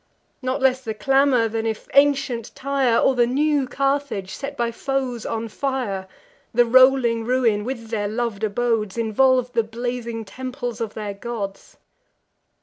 Not less the clamour, than if ancient Tyre, Or the new Carthage, set by foes on fire, The rolling ruin, with their lov'd abodes, Involv'd the blazing temples of their gods.